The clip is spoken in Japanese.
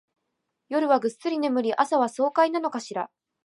夜はぐっすり眠り、朝は爽快なのかしら